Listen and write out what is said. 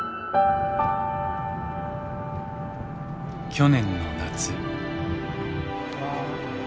去年の夏。